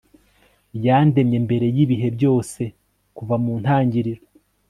yandemye mbere y'ibihe byose, kuva mu ntangiriro